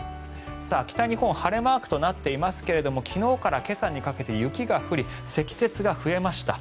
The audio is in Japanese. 北日本晴れマークとなっていますが昨日から今朝にかけて雪が降り、積雪が増えました。